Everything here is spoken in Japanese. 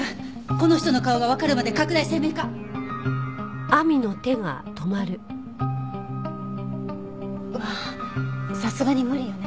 この人の顔がわかるまで拡大鮮明化！はさすがに無理よね。